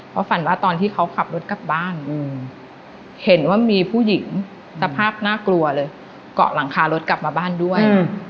เพราะฝันว่าตอนที่เขาขับรถกลับบ้านเห็นว่ามีผู้หญิงสภาพน่ากลัวเลยเกาะหลังคารถกลับมาบ้านด้วย